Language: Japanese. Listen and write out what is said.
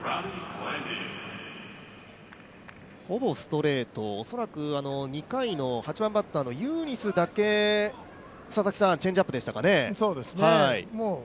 ほぼストレート、恐らく２回の８番バッターのユーニスだけチェンジアップでしたかね。